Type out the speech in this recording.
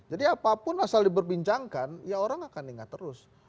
jadi apapun asal diberbincangkan ya orang akan ingat terus